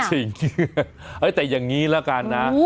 แต่อย่างนี้ละกันนะ